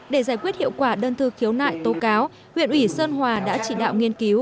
để giải quyết hiệu quả đơn thư khiếu nại tố cáo huyện ủy sơn hòa đã chỉ đạo nghiên cứu